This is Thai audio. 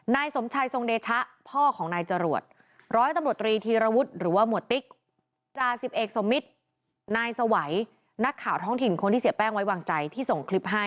นายสมชัยทรงเดชะพ่อของนายจรวดร้อยตำรวจตรีธีรวรรษหรือว่าหมวดติ๊ก